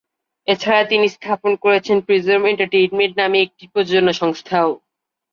এছাড়া তিনি স্থাপন করেছেন প্রিজম এন্টারটেইনমেন্ট নামে একটি প্রযোজনা সংস্থাও।